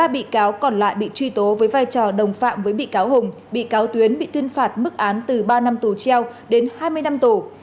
một mươi bị cáo còn lại bị truy tố với vai trò đồng phạm với bị cáo hùng bị cáo tuyến bị tuyên phạt mức án từ ba năm tù treo đến hai mươi năm tù